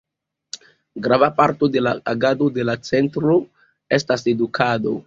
Grava parto de la agado de la Centro estas edukado.